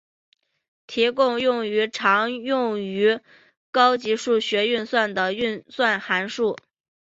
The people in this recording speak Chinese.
提供用于常用高级数学运算的运算函数。